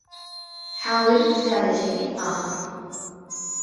حاولِ فعل شيء آخر.